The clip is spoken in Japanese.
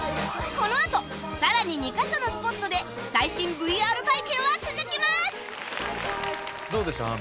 このあとさらに２カ所のスポットで最新 ＶＲ 体験は続きます！